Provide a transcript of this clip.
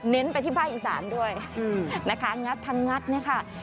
เน้นไปที่ภาคอินสารด้วยอืมนะคะงัดทางงัดเนี้ยค่ะ